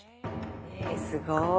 えすごい。